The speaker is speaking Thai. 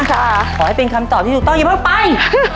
ขอให้เป็นคำตอบที่ถูกต้องอย่าเพิ่งไป